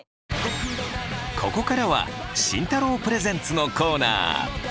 ここからは慎太郎プレゼンツのコーナー。